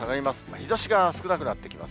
日ざしが少なくなってきます。